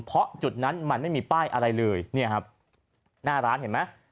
เพราะจุดนั้นมันไม่มีป้ายอะไรเลยเนี่ยครับหน้าร้านเห็นไหม